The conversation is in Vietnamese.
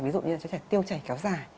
ví dụ như là cho trẻ tiêu chảy kéo dài